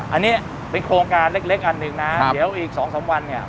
อันนี้เป็นโครงการเล็กอันหนึ่งนะเดี๋ยวอีก๒๓วันเนี่ย